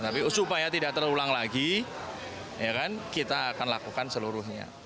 tapi supaya tidak terulang lagi kita akan lakukan seluruhnya